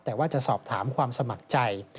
แต่ว่าจะสอบถามความสมัครใจ